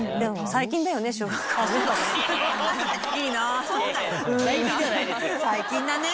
最近だね。